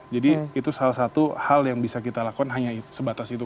jadi itu salah satu hal yang bisa kita lakukan hanya sebatas itu